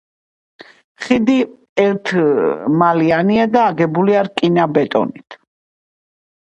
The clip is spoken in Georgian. ხიდი ერთმალიანია და აგებულია რკინა-ბეტონით.